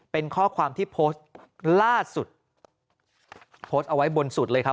เป็นข้อความที่โพสต์ล่าสุดโพสต์เอาไว้บนสุดเลยครับ